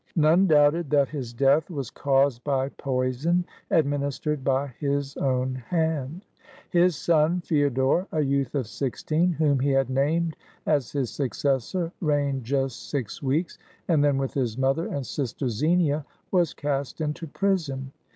None doubted that his death was caused by poison, administered by his own hand. His son Feodor, a youth of sixteen, whom he had named as his successor, reigned just six weeks, and then, with his mother and sister Xenia, was cast into prison.